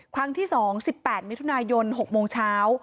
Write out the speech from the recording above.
ครั้งที่๒๑๘มิถุนายน๖โมงเช้า